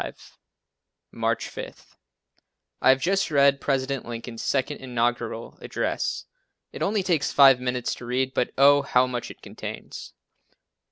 1865 March 5. I have just read President Lincoln's second inaugural address. It only takes five minutes to read it but, oh, how much it contains.